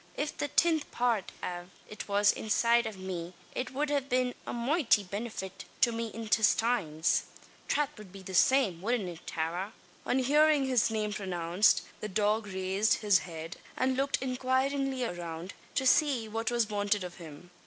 If the tinth part av it was inside av me, it wud be a moighty binnefit to me intistines. Trath wud it that same. Wudn't it, Tara?" On hearing his name pronounced, the dog raised his head and looked inquiringly around, to see what was wanted of him.